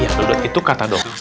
iya itu kata dokter